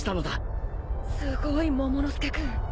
すごいモモの助君。